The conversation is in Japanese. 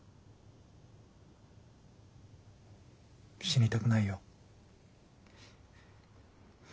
死にたくないよ。